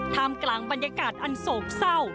กลางบรรยากาศอันโศกเศร้า